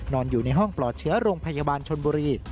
นอนอยู่ในห้องปลอดเชื้อโรงพยาบาลชนบุรี